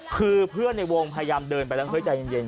คือเพื่อนในวงพยายามเดินไปก็ใจเย็น